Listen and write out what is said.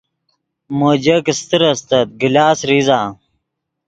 مو جگ استر استت گلاس ریزہ